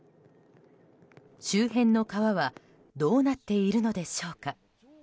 周辺の川はどうなっているのでしょうか。